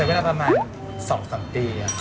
ใช้เวลาประมาณ๒๓ปีอะ